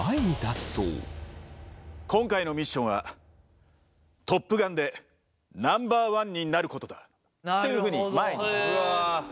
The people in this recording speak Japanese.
「今回のミッションはトップガンでナンバーワンになることだ」というふうに前に出す。